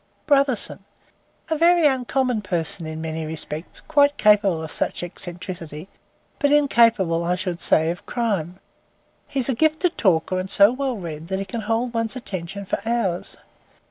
"Brotherson. A very uncommon person in many respects; quite capable of such an eccentricity, but incapable, I should say, of crime. He's a gifted talker and so well read that he can hold one's attention for hours.